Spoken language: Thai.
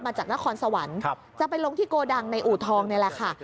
จากนครสวรรค์จะไปลงที่โกดังในอู่ทองนี่แหละค่ะ